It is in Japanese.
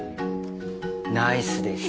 ナイスです